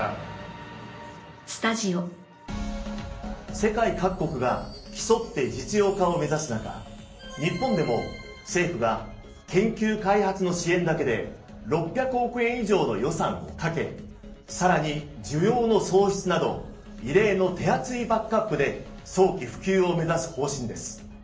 世界各国が競って実用化を目指す中日本でも政府が研究開発の支援だけで６００億円以上の予算をかけさらに需要の創出など異例の手厚いバックアップで早期普及を目指す方針です。